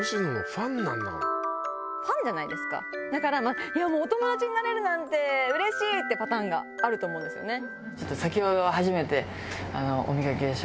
ファンじゃないですかだから「お友達になれるなんてうれしい！」ってパターンがあると思うんですよね。